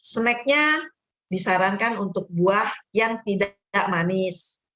snacknya disarankan untuk buah yang tidak manis